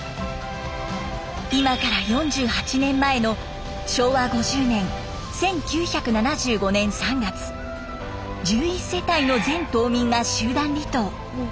今から４８年前の昭和５０年１９７５年３月１１世帯の全島民が集団離島。